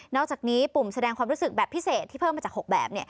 อกจากนี้ปุ่มแสดงความรู้สึกแบบพิเศษที่เพิ่มมาจาก๖แบบ